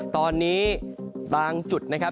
ตอนนี้บางจุดนะครับ